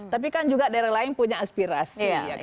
tapi kan juga daerah lain punya aspirasi